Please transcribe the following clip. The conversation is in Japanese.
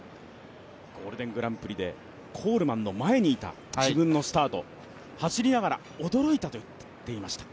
ゴールデングランプリでコールマンの前にいた自分のスタート、走りながら驚いたと言っていました。